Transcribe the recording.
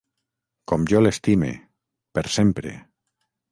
Com jo l'estime, per sempre...